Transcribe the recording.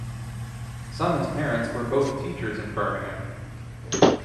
Simon's parents were both teachers in Birmingham.